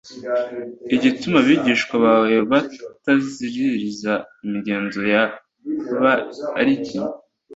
igituma abigishwa bawe bataziririza imigenzo ya ba ariki